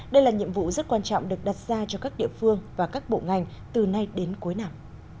đây là nhiệm vụ rất quan trọng được đặt ra cho các địa phương và các bộ ngành từ nay đến cuối năm